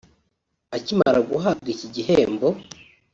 Akimara guhabwa iki gihembo